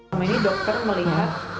kami ini dokter melihat